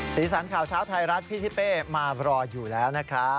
สีสันข่าวเช้าไทยรัฐพี่ทิเป้มารออยู่แล้วนะครับ